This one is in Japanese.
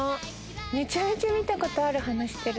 めちゃめちゃ見たことある鼻してる。